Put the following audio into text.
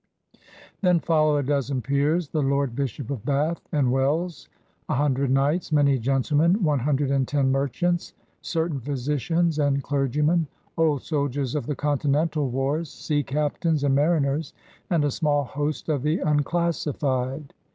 Then follow a dozen peers, the Lord Bishop of Bath and Wells, a hundred knights, many gentlemen, one hundred and ten merchants, certain physicians and clergjonen, old soldiers of the Continental wars, sea captains and mariners, and a small host of the unclassified.